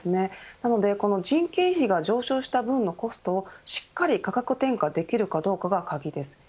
なので、この人件費が上昇した分のコストをしっかり価格転嫁できるかどうかが鍵です。